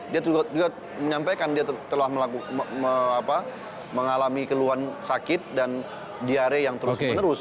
dia juga menyampaikan dia telah mengalami keluhan sakit dan diare yang terus menerus